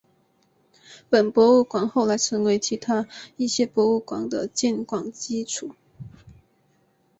本博物馆后来成为其他一些博物馆的建馆基础。